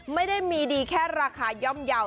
ไม่ได้มีดีแค่ราคาย่อมเยาว์